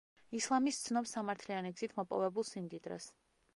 ისლამი სცნობს სამართლიანი გზით მოპოვებულ სიმდიდრეს.